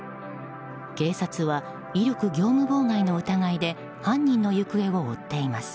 警察は威力業務妨害の疑いで犯人の行方を追っています。